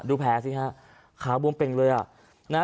ดูแพ้สิฮะขาวบวงเป็นเลยอ่ะ